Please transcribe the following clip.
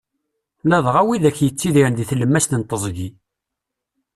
Ladɣa widak yettidiren deg tlemmast n teẓgi.